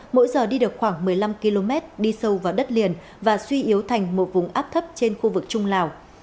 mỗi giờ đi được khoảng một mươi năm km đi sâu vào đất liền và suy yếu thành một vùng áp thấp trên khu vực trung lào